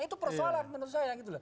itu persoalan menurut saya